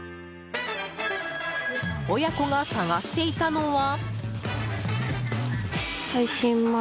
親子が探していたのは。